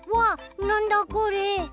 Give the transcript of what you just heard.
なんだこれ？